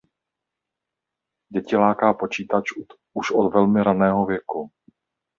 Děti láká počítač už od velmi raného věku.